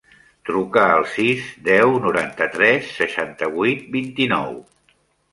Truca al sis, deu, noranta-tres, seixanta-vuit, vint-i-nou.